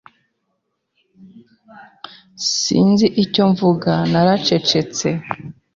Sinzi icyo mvuga, naracecetse.